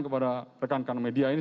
kepada rekan rekan media ini